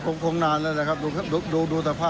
เธอออกไปหากำลังเก็บใจหน่อยเดียวนะ